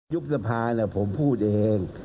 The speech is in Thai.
ยุคสภาพนี่ผมพูดเอง